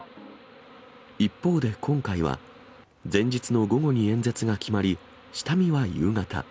一方で今回は、前日の午後に演説が決まり、下見は夕方。